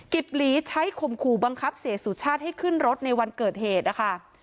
หลีใช้ข่มขู่บังคับเสียสุชาติให้ขึ้นรถในวันเกิดเหตุนะคะ